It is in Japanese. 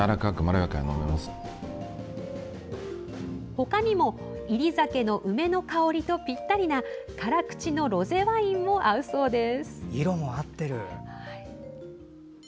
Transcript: ほかにも、煎り酒の梅の香りとぴったりな辛口のロゼワインも合うそうです。